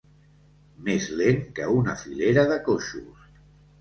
Més lent que una filera de coixos.